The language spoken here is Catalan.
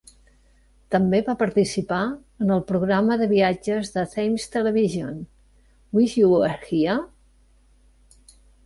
També va participar en el programa de viatges de Thames Television "Wish You Were Here...?".